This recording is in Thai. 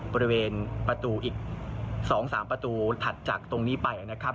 บริเวณประตูอีก๒๓ประตูถัดจากตรงนี้ไปนะครับ